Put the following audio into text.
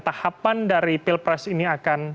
tahapan dari pilpres ini akan